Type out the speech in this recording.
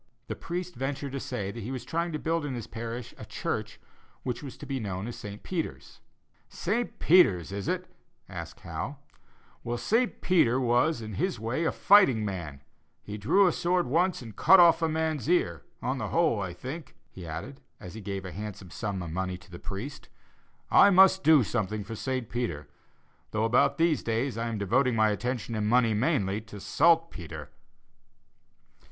The priest ventured to say that he was trying to build in his parish a church which was to be known as St. Peter's. "St. Peter's is it?" asked Howe; "well, St. Peter was, in his way, a fighting man; he drew a sword once and cut off a man's ear; on the whole, I think," he added, as he gave a handsome sum of money to the priest, "I must do something for St. Peter, though about these days I am devoting my attention and money mainly to saltpetre."